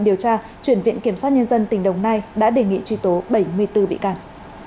điều tra chuyển viện kiểm sát nhân dân tỉnh đồng nai đã đề nghị truy tố bảy mươi bốn bị can